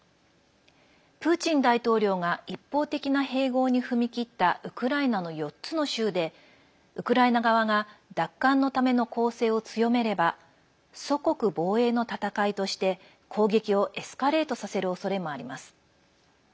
プーチン大統領が一方的な併合に踏み切ったウクライナの４つの州でウクライナ側が奪還のための攻勢を強めれば祖国防衛の戦いとして攻撃をエスカレートさせるおそれもあります。